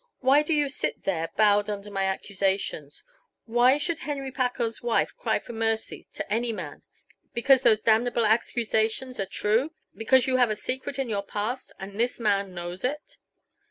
Why do you sit there bowed under my accusations? Why should Henry Packard's wife cry for mercy, to any man? Because those damnable accusations are true? Because you have a secret in your past and this man knows it?"